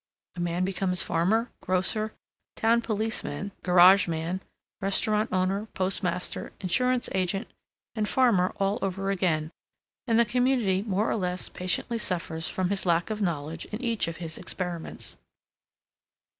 A man becomes farmer, grocer, town policeman, garageman, restaurant owner, postmaster, insurance agent, and farmer all over again, and the community more or less patiently suffers from his lack of knowledge in each of his experiments.